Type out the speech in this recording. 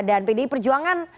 dan pdi perjuangan